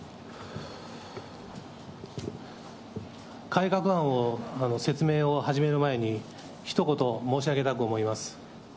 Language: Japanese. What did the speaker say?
改革案を説明を始める前に、ひと言申し上げたく思います。